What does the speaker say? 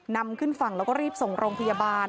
นำขึ้นฝั่งแล้วก็รีบส่งโรงพยาบาล